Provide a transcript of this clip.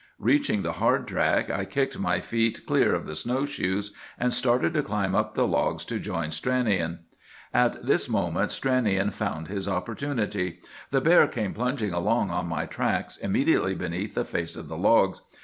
Reaching the hard track, I kicked my feet clear of the snow shoes, and started to climb up the logs to join Stranion. "At this moment Stranion found his opportunity. The bear came plunging along on my tracks, immediately beneath the face of the logs.